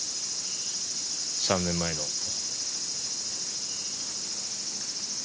３年前の。